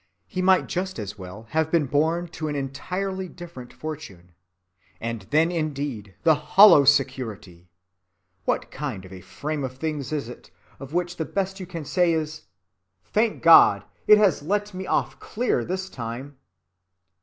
He might just as well have been born to an entirely different fortune. And then indeed the hollow security! What kind of a frame of things is it of which the best you can say is, "Thank God, it has let me off clear this time!"